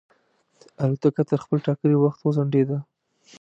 الوتکه تر خپل ټاکلي وخت وځنډېده.